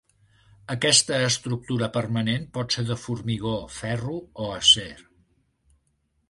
Aquesta estructura permanent pot ser de formigó, ferro o acer.